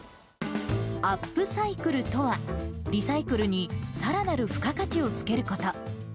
アップサイクルとは、リサイクルにさらなる付加価値をつけること。